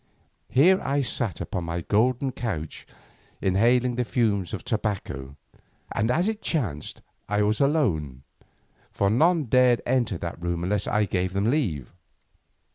Here I sat upon my golden couch, inhaling the fumes of tobacco, and as it chanced I was alone, for none dared to enter that room unless I gave them leave.